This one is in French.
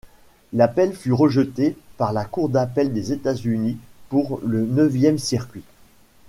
L'appel fut rejeté par la cour d'appel des États-Unis pour le neuvième circuit.